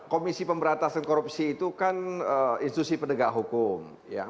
komisi pemberantasan korupsi itu kan institusi penegak hukum